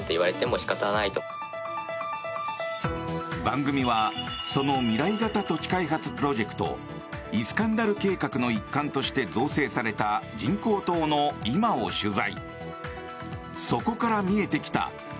番組はその未来型都市開発プロジェクトイスカンダル計画の一環として造成された人工島の今を取材。